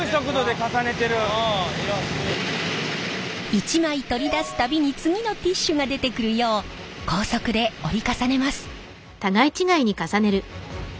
１枚取り出す度に次のティッシュが出てくるよう高速で折り重ねます。